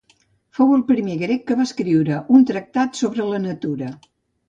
Fou el primer grec que va escriure un tractat sobre la natura.